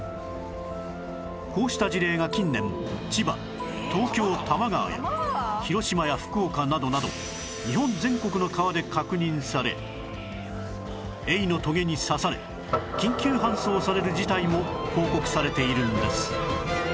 こうした事例が近年千葉東京・多摩川や広島や福岡などなど日本全国の川で確認されエイのトゲに刺され緊急搬送される事態も報告されているんです